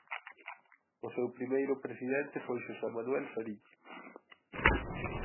O seu primeiro presidente foi Xosé Manuel Sarille.